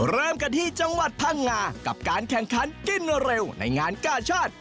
เริ่มกันที่จังหวัดพังงากับการแข่งขันกินเร็วในงานกาชาติ